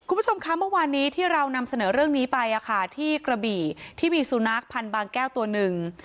คุณผู้ชมคะเมื่อวานนี้ที่เรานำเสนอเรื่องนี้ไปที่กระบี่ที่มีสุนัขพันธ์บางแก้วตัวหนึ่ง